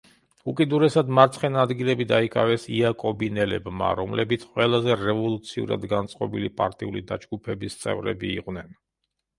უკიდურესად მარცხენა ადგილები დაიკავეს იაკობინელებმა, რომლებიც ყველაზე რევოლუციურად განწყობილი პარტიული დაჯგუფების წევრები იყვნენ.